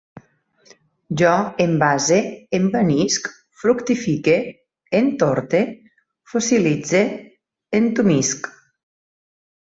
Jo envase, envanisc, fructifique, entorte, fossilitze, entumisc